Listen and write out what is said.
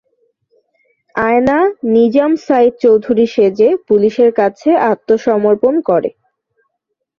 আয়না নিজাম সাঈদ চৌধুরী সেজে পুলিশের কাছে আত্মসমর্পণ করে।